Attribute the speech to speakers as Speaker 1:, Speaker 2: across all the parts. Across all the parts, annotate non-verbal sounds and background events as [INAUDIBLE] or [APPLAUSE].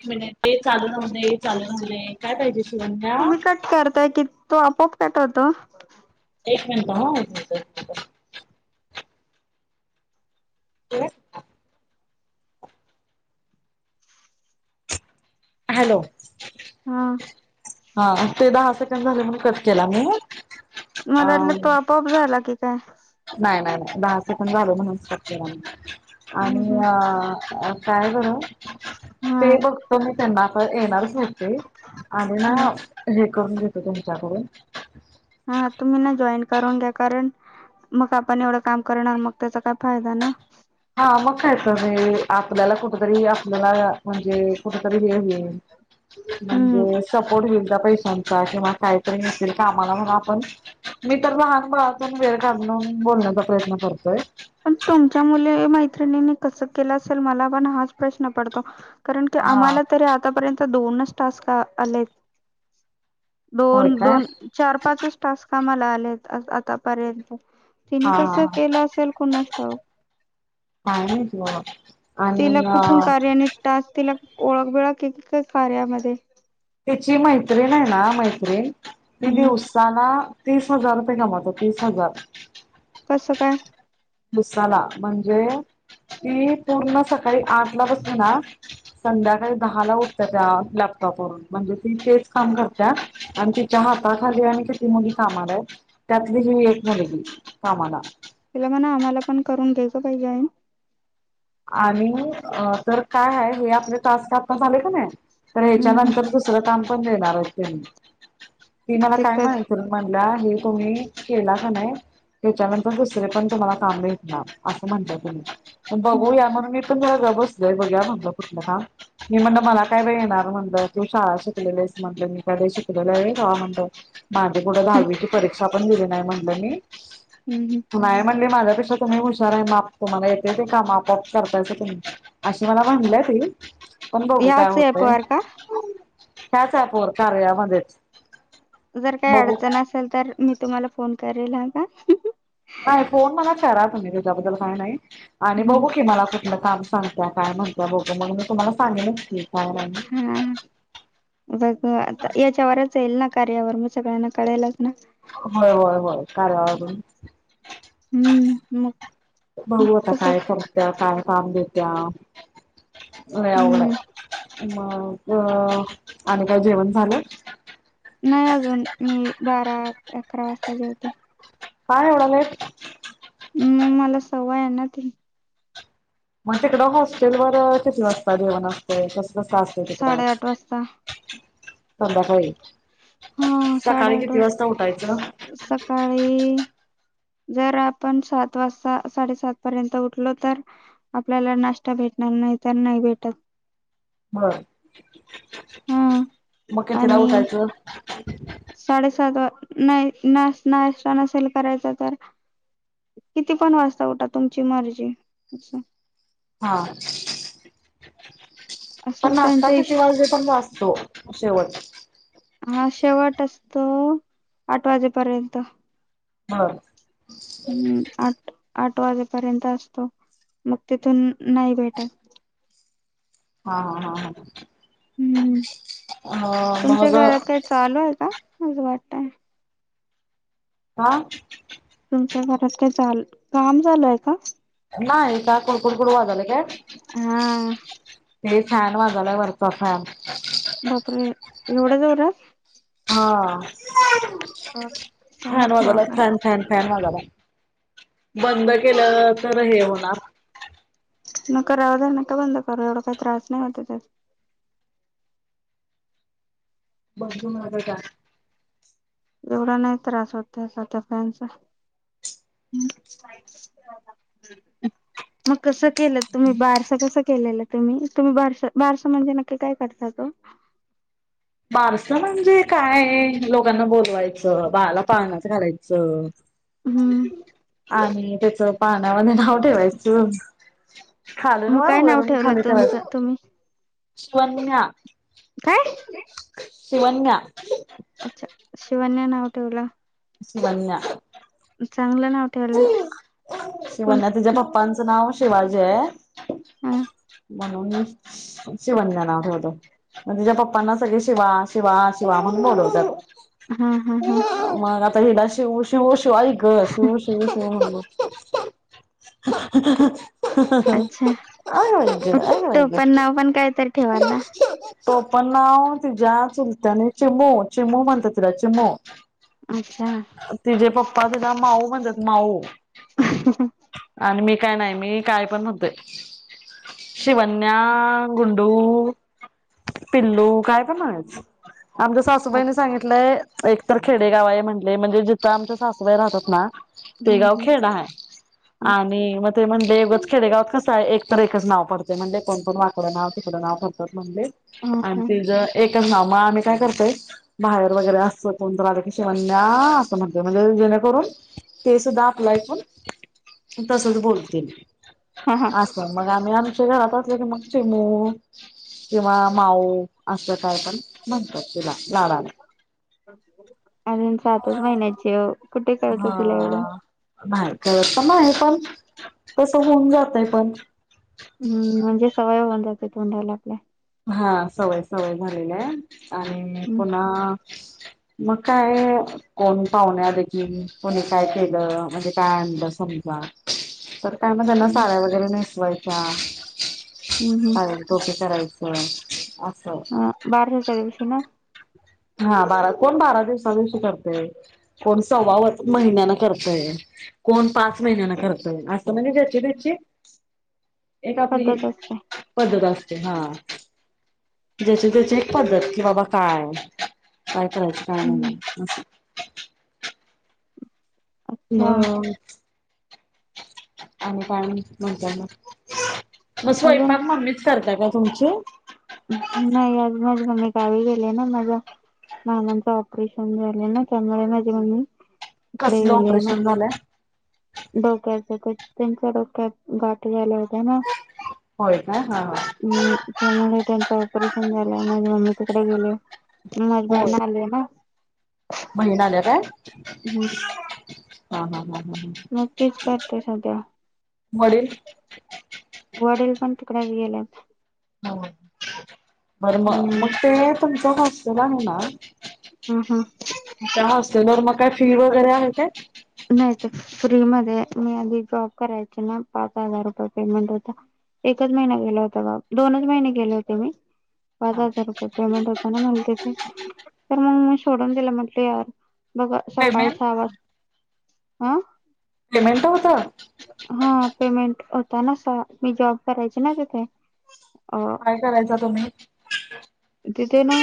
Speaker 1: [UNINTELLIGIBLE] चालू राहुंदे, चालू राहुंदे, काय पाहिजे शिवण्या?
Speaker 2: तुम्ही [UNINTELLIGIBLE] तो आपोआप कट होतो.
Speaker 1: एक मिंट ह एक मिंट, एक मिंट [UNINTELLIGIBLE] हॅलो.
Speaker 2: हा.
Speaker 1: हा ते दहा सेकंड झाले म्हणून कट केला मी आ
Speaker 2: मला वाटलं तो आपोआप झाला की काय
Speaker 1: नाही नाही नाय दहा सेकंड झालं म्हणूनच कट केला मी
Speaker 2: हम्म
Speaker 1: आणि
Speaker 2: हम्म
Speaker 1: अ अ काय बरं,
Speaker 2: हा
Speaker 1: ते बघतो मी त्यांना, आता येणारच नव्हते. आणि ना
Speaker 2: हम्म
Speaker 1: हे करून घेतो तुमच्याकडून
Speaker 2: हा तुम्ही ना जॉईन करून घ्या कारण मग आपण एवढं काम करणार, मग त्याचा काय फायदा ना
Speaker 1: हा मग कायतर हे आपल्याला कुठ तरी आपल्याला म्हणजे कुठ तरी हे व्हील
Speaker 2: हम्म
Speaker 1: म्हणजे सपोर्ट होईल त्या पैश्या चा किंवा काहीतरी [UNINTELLIGIBLE] कामाला म्हणून आपण मी तर लहान मुळातून वेळ काढून बोल [UNINTELLIGIBLE] प्रयत्न करतोय.
Speaker 2: पण तुमच्या मुले मैत्रिणीनी कसं केलं असेल मला पण हाच प्रश्न पडतो. करण की
Speaker 1: हा
Speaker 2: आम्हाला तरी आतापर्यंत दोनच टास्क आ आलेत. [INAUDIBLE]
Speaker 1: होय काय
Speaker 2: दोन-दोन, चार, पाचच टास्क कामला आलेत आतापर्यंत. तिनी
Speaker 1: हा
Speaker 2: कस
Speaker 1: हा
Speaker 2: केलं असेल कोणास ठाऊक? [INAUDIBLE]
Speaker 1: काय माहिती बाबा
Speaker 2: तिला
Speaker 1: आणि
Speaker 2: कुठून
Speaker 1: अ
Speaker 2: कार्याने टास्क तिला ओळख बिळक हाय की काय कार्यामध्ये.
Speaker 1: तीची मैत्रीण आहे ना मैत्रीण ती
Speaker 2: हम्म
Speaker 1: दिवसाना तीस हजार रुपये कमवते तीस हजार.
Speaker 2: कसं काय?
Speaker 1: मसाला म्हणजे? ती पूर्ण सकाळी आठ ला बसते ना, संध्याकाळी दहाला उठत्या त्या लॅप टॉप वरून म्हणजे ती तेच काम करत्या आणि तिच्या हाताखाली आणि किती मुली कामाला आहेत. त्यातलीच ही एक मुलगी कामाला.
Speaker 2: ती म्हण आम्हाला पण करून घ्यायचं पाहिजे आहे न.
Speaker 1: आणि तर काय हाय हे आपले टास्क अता झाले कनी तर
Speaker 2: हम्म हम्म
Speaker 1: ह्याच्यानंतर दुसरं काम पण देणार आहेत तेनी ती मला काय
Speaker 2: दिक्कत
Speaker 1: [UNINTELLIGIBLE] म्हणल्या हे तुम्ही केला का नाही त्याच्यानंतर दुसरे पण तुम्हाला काम भेटणार. असं म्हणता त्यांनी बघ.
Speaker 2: हम्म
Speaker 1: बघूया म्हणलं कुठलं काम मी म्हण मला काय [UNINTELLIGIBLE] येणार मी म्हणल मला काय बाई येणार म्हटलं तू शाळा शिकलेली हाईस [UNINTELLIGIBLE] म्हटलं मी काय मी शिकलेलो हाय होय तवा म्हटलो. माझी कुठे दहावीची परीक्षा पण दिली नाही म्हटलं मी
Speaker 2: हम्म
Speaker 1: तू नाही म्हणले माझ्यापेक्षा तुम्ही हुशार आहे माप तुम्हाला येते ते का माप प करतायसा तुम्ही अशी मला म्हणल्या ती. पण बघू काय
Speaker 2: याच ऍप
Speaker 1: होतय.
Speaker 2: वर का
Speaker 1: का च हाय पोर कार्या मध्येच
Speaker 2: जर काही अडचण असेल तर मी तुम्हाला फोन करेल हा का?
Speaker 1: नाही फोन मला करा तुम्ही तेच्याबद्दल काय नाही आणि बघू की मला मग काम सांगता काय म्हणत बघू म्हणून मी तुम्हाला सांगेनच की. काय नाही.
Speaker 2: हा बघ आता याच्यावरच येईल ना कार्यावर मग सगळ्यांना कळेलच ना.
Speaker 1: होय होय होय कर्यावरून [INAUDIBLE]
Speaker 2: हम्म, हम्.
Speaker 1: बघू आता काय करत्या काय काम देत्या. गावाकडं
Speaker 2: हम्म
Speaker 1: हाय. मग आणि काय जेवण झालं.
Speaker 2: नाही अजून मी बारा अकरा वाजता जेवते.
Speaker 1: का येवडा वेळ?
Speaker 2: मग मला सवय येनाती.
Speaker 1: म तिकडं हॉस्टेल वरअ किती वाजता जेवण असतय कस् स असतयं तिकडं
Speaker 2: साडेआठ वाजता
Speaker 1: [INAUDIBLE] संध्याकाळी?
Speaker 2: हां
Speaker 1: सकाळी
Speaker 2: साडेआठ
Speaker 1: किती उठायचं
Speaker 2: वाजता सकाळी जर आपण सात वासता साडेसात पर्यंत उठलो तर आपल्याला नाष्टा भे भेटणार नाय तर नाय भेटत.
Speaker 1: [INAUDIBLE] बंर. [INAUDIBLE]
Speaker 2: हां आनी
Speaker 1: उठायचं
Speaker 2: [INAUDIBLE] साडेसात वा न्हाय नाश नाष्टा नसेल करायचा तर किती पण वाजता उठा तुमची मर्जी अशी [INAUDIBLE]
Speaker 1: हां [INAUDIBLE]
Speaker 2: असं
Speaker 1: पण नाष्टा
Speaker 2: त्यांच्या इश
Speaker 1: किती वाजेपर्यंत असतो? शेवट
Speaker 2: हां शेवट असतो आठ वाजेपर्यंत.
Speaker 1: हां.
Speaker 2: हम्म
Speaker 1: [INAUDIBLE]
Speaker 2: आठ आठ वाजेपर्यंत असतो मग तिथून नाही भेटत.
Speaker 1: हां हां हां हां.
Speaker 2: हम्म तुमच्या
Speaker 1: मग
Speaker 2: घरात काय चालू आयका असं वाटतंय?
Speaker 1: हां?
Speaker 2: तुमच्या घरात काय चाल काम चालूआय का?
Speaker 1: नाय का कुडकुडकुड वाजालंय काय?
Speaker 2: हा.
Speaker 1: हे फॅन वाजालाय वरचा फॅन.
Speaker 2: बापरे एवढ्या जोरात?
Speaker 1: हां फॅन वाजालाय
Speaker 2: बापरे
Speaker 1: फॅन फॅन फॅन वाजाला. लाय बंद केलं तरहे होणार.
Speaker 2: नका राहुद्या नका बंद करू एवढा काय त्रास नाय होतय त्याच.
Speaker 1: [UNINTELLIGIBLE]
Speaker 2: एवढा नाय त्रास होत त्याचा त्या फॅनचा. [INAUDIBLE] मग कसं केलंत तुम्ही बारस कसं केलेलं तुम्ही तुम्ही बारश बारश म्हणजे नक्की काय करतात ओ?
Speaker 1: [INAUDIBLE] बारस म्हणजे कायं लोकांना बोलवायचं बाळाला पाळण्यात घालायचं.
Speaker 2: हम्म्.
Speaker 1: आणि त्याच पाळण्यामध्ये नाव ठेवायचं. खालून
Speaker 2: मग
Speaker 1: वर
Speaker 2: काय नाव
Speaker 1: वरून
Speaker 2: ठेवलं
Speaker 1: खाली ठेवाय
Speaker 2: तुमचं तुम्ही
Speaker 1: शिवन्या.
Speaker 2: काय
Speaker 1: शिवन्या.
Speaker 2: अच्छा शिवन्या नाव ठेवला?
Speaker 1: शिवन्या.
Speaker 2: चांगलं नाव ठेवला.
Speaker 1: शिवन्या तिज्या पप्पांचं नाव शिवाजीआय.
Speaker 2: हा
Speaker 1: म्हणून शिवन्या नाव ठेवलं. म तिज्या पप्पांना सगळे शिवा शिवा शिवा म्हणून बोलवत्यात.
Speaker 2: हम्म हम्म हम्.
Speaker 1: त हिला शिउ शिउ शिवाईगं शिउ शिउ शिउ शिउ
Speaker 2: अच्छा
Speaker 1: आंय हंय. अंय व्हंयग.
Speaker 2: टोपण नाव पण कायतरी ठेवाल ना
Speaker 1: टोपन नाव तिज्या चुलत्याने चिमो चिमो म्हणतात तिला चिमो.
Speaker 2: अच्छा.
Speaker 1: तिजे पप्पा तिला माऊ म्हणतात माऊ. आणि मी कायनाय मी कायपण म्हंतोय. शिवन्याआ, गुंडू. पिल्लू कायपण म्हणायच आमच्या सासूबाईनी सांगिटलंय एकतर खेडेगावाय म्हंटले म्हंजे जिथं आमच्या सासूबाई राहतातना ते
Speaker 2: हम्म
Speaker 1: गाव
Speaker 2: हम्म
Speaker 1: खेड आहे, आणि मग ते म्हणेगच खेडेगावात कसं आहे, एकत एक. नाव पाडतय म्हणले कोणण वाकडं नाव तिकडं नाव पडतात, म्हणले
Speaker 2: हम्म
Speaker 1: आणि
Speaker 2: हम्म
Speaker 1: ति ग आम्ही काय करतोय बाहेर, वगैरे अस कोणतर आलं की, शिवन्या अस म्हणतोय म्हणजे करून ते सुद्धा आपलं ऐकून तसंच बोलतील.
Speaker 2: हा हा.
Speaker 1: असं मग आम्ही आमुच्या घरातले असेल की मग चीमु किंवा माऊ असं काय पण म्हणतात तिला लाडला.
Speaker 2: अ. अजून सातच महिन्याची कुठे कळत तिला एवढं.
Speaker 1: आहे पण कस होऊन जातय पण.
Speaker 2: हम्म म्हणजे सवय होन जाते तोंडाला आपल्या.
Speaker 1: हा सवय सवय झालेला आहे आणि
Speaker 2: हम्म
Speaker 1: पुन्हा. मग काय कोण पाहुण्या देखील कोणी काय केलं, म्हणजे काय आणलं समजा. तर त्यामध्ये त्यांना
Speaker 2: हम्म
Speaker 1: साड्या वगैरे नेसवायच्या
Speaker 2: हम्म हम्म
Speaker 1: [UNINTELLIGIBLE] टोपी कराय [UNINTELLIGIBLE]
Speaker 2: हा बार हच्यार दिवशी ना.
Speaker 1: हा बारा कोण बारा दिवसा दिवशी करतय, कोण सव्वा महिन्याना करतय. कोण पाच महिन्याना करतय, असं म्हणजे ज्याची ज्याची एक आपली
Speaker 2: पद्धत असते
Speaker 1: पद्धत अस हा ज्या त्याची एक पद्धत, कि बाबा काय काय
Speaker 2: हम्म
Speaker 1: करायचे [UNINTELLIGIBLE]
Speaker 2: अच्छा
Speaker 1: ममचं आणि काय म्हण म्हणत्याना मग
Speaker 2: अजून
Speaker 1: स्वयंपाक मम्मीच करता का तुमची?
Speaker 2: नाही आज माझी मम्मी गावी गेलेय ना माझा मामांचं ऑपरेशन झालं, ना त्यामुळे माझी मम्मी इकडे
Speaker 1: कसलं
Speaker 2: गेले आहे, ना
Speaker 1: ऑपरेशन झालंय
Speaker 2: डोक्या [UNINTELLIGIBLE] त्यांचा डोक्यात गाठ झाला त्यांना,
Speaker 1: होय काय हा हा
Speaker 2: हम्म त्यामुळे त्यांचा ऑपरेशन झालंय माझ्या मम्मी तिकडे गेले म माझ्या
Speaker 1: होय
Speaker 2: बहीण आली आहे ना.
Speaker 1: बहीण आल्या काय?
Speaker 2: हम्म.
Speaker 1: हा हा हा. हा
Speaker 2: नक्कीच करते सध्या
Speaker 1: वडील
Speaker 2: वडील पण तिकडे गेलेय.
Speaker 1: हो बरं म
Speaker 2: हम्म
Speaker 1: मग ते तुमचचा हॉस्टेल आहे ना
Speaker 2: हम् हम
Speaker 1: चहा असतील वर मग काय फ्री वगैरे आहे काय?
Speaker 2: नाहीत फ्री मध्ये मी आदी जॉब करायचे, ना पाच हजार रुपये पेमेंट होता. एकच महिना गेला होता ग दोनच महिने गेले होते मी. पाच
Speaker 1: हा.
Speaker 2: हजार रुपये पेमेंट होता ना मला तिथे तर मग मी शोडून दिलं, म्हटलं यार बघा सकाळी
Speaker 1: पेमेंट
Speaker 2: सहा वाज हां.
Speaker 1: पेमेंट होता
Speaker 2: त्यांना सहा मी जॉब करायची ना तिथे अ
Speaker 1: काय करायचा तुम्ही?
Speaker 2: तिथे ना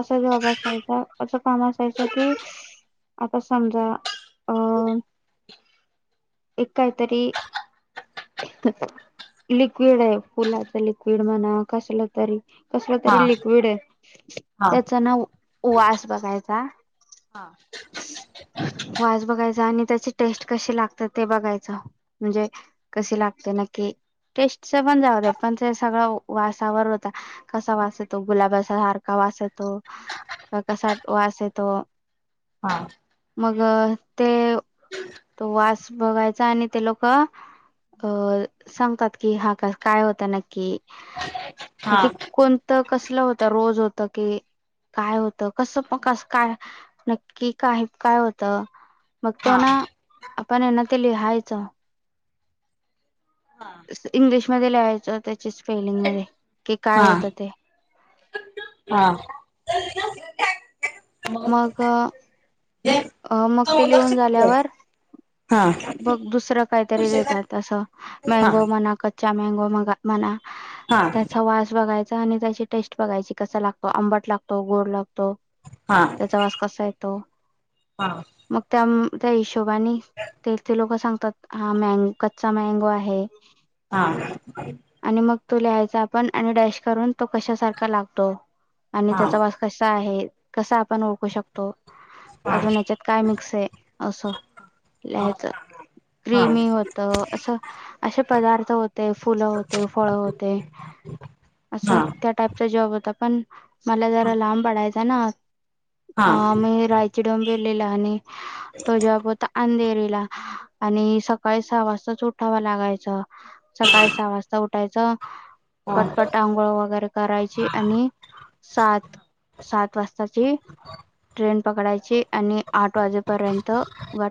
Speaker 2: असा जॉब असायचा असं काम असायचं की आता समजा अ एक काहीतरी लिक्विड आहे फुलाचा लिक्विड म्हणा कसलं तरी कसलं
Speaker 1: हा
Speaker 2: तरी लिक्विड आहे,
Speaker 1: हा
Speaker 2: त्याचा ना वास बघायचा
Speaker 1: हा
Speaker 2: वास बघायचा आणि त्याची टेस्ट कशी लागते ते बघायचं म्हणजे कशी लागते नक्की टेस्टचा पण जाऊदे, पण ते सगळं व वासावर होता कसा वास येतो गुलाबासारखा वास येतो तर कसा वास येतो
Speaker 1: हा
Speaker 2: मग ते तो वास बघायचा आणि ते लोकं अ सांगतात कि हा का काय होत नक्की
Speaker 1: हा
Speaker 2: नाही ते कोणतं कसलं होत रोज होत की काय होतं कसं प कस काय नक्की काय काय होतं? मग
Speaker 1: हा हा हा
Speaker 2: तो ना आपण आहे ना ते लिहायचा. असं इंग्लिशमध्ये लिहायचं त्याची स्पेलिंग मध्ये कि काय होतं ते.
Speaker 1: हा.
Speaker 2: मग अ मग
Speaker 1: हा हा
Speaker 2: ते
Speaker 1: हा
Speaker 2: लिहून झाल्यावर बघ दुसरं काहीतरी देतात असं मॅंगो म्हणा क च्चा मँगो मगा म्हणा त्याचा वास बघाय चा आणि त्याची टेस्ट बघायची कसा लागतो आंबट लागतो, गोड लागत, त्याचा वास कसा ये तो मग त्या म त्या हिशोबानी तेथील लोक सांगतात हा मँग कच्चा मँगो आहे आणि मग तो लिहायचा आपण आणि डॅश करून तो कशासारखा लागतो आणि त्याचा वास कसा आहे, कसा आपण ओळखू शकतो अजून ह्याच्यात काय मिक्स आहे असं लिहायचं क्रिमी होतं, असं असे पदार्थ होते फुलं होती, फळ होते. असं
Speaker 1: हा
Speaker 2: त्या टाईपचा जॉब होता पण मला जरा लांब पडायचा ना
Speaker 1: हा
Speaker 2: अ मी राय ची डोंबिवलीला आणि तो जॉब होता अंधेरीला आणि सकाळी सहा वाजता रोज उठावं लागायचं सकाळी सहा वाजता उठायचं
Speaker 1: हा
Speaker 2: पटपट आंघोळ वगैरे करायची आणि सात सात वाजता सातची ट्रेन पकडायची आणि आठ वाजेपर्यंत वाट